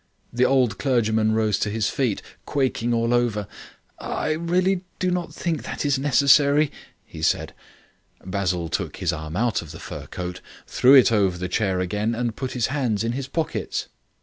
The old clergyman rose to his feet, quaking all over. "I really do not think that it is necessary," he said. Basil took his arm out of the fur coat, threw it over the chair again, and put his hands in his pockets.